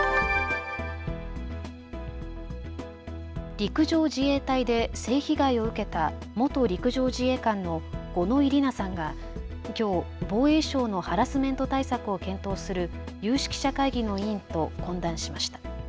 陸上自衛隊で性被害を受けた元陸上自衛官の五ノ井里奈さんがきょう防衛省のハラスメント対策を検討する有識者会議の委員と懇談しました。